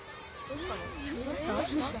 どうしたの？